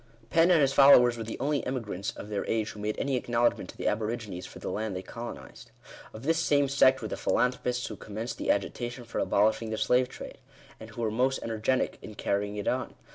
Fenn and his followers were the only emigrants of their age who made any acknow ledgment to the aborigines for the land they colonized. Of this same sect were the philanthropists who commenced the agitation for abolishing the slave trade; and who were most energetic in carrying it on.